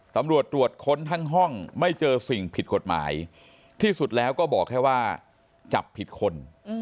ตำรวจตรวจค้นทั้งห้องไม่เจอสิ่งผิดกฎหมายที่สุดแล้วก็บอกแค่ว่าจับผิดคน